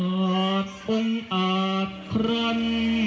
มาเห้ย